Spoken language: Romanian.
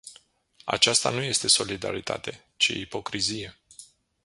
Aceasta nu este solidaritate, ci ipocrizie.